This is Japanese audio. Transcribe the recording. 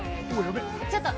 ちょっと！